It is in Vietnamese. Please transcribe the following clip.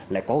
lại có vụ kế